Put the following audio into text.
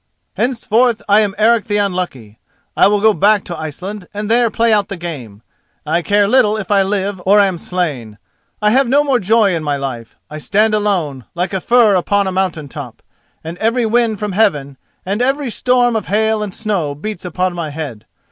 Henceforth I am Eric the Unlucky. I will go back to Iceland and there play out the game. I care little if I live or am slain—I have no more joy in my life. I stand alone, like a fir upon a mountain top, and every wind from heaven and every storm of hail and snow beats upon my head.